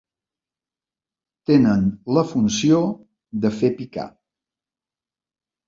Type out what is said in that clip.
Tenen la funció de fer picar.